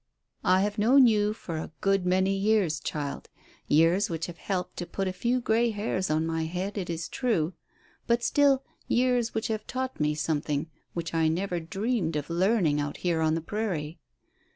"I have known you for a good many years, child; years which have helped to put a few grey hairs on my head, it is true, but still years which have taught me something which I never dreamed of learning out here on the prairie.